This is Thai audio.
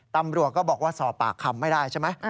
ตำรวจก็บอกว่าสอบปากคำไม่ได้ใช่ไหม